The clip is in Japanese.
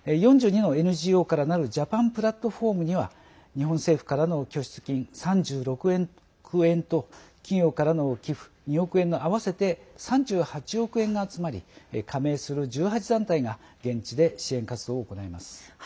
４２のＮＧＯからなるジャパンプラットフォームには日本政府からの拠出金３６億円と企業からの寄付２億円の合わせて３８億円が集まり加盟する１８団体が現地で支援活動を行います。